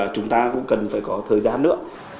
chúng ta cũng cần phải có thời gian nữa